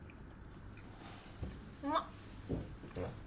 うまっ。